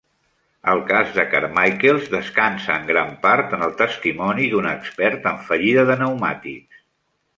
El cas de Carmichaels descansat en gran part en el testimoni d'un expert en fallida de pneumàtics.